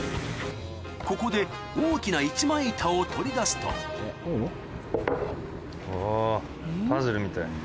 ここで大きな一枚板を取り出すとおぉパズルみたい。